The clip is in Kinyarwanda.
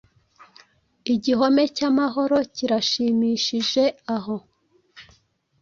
Igihome cyamahoro kirashimishijeaho